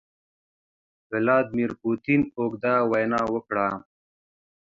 ولادیمیر پوتین اوږده وینا وکړه.